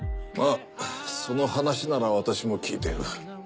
ああその話なら私も聞いている。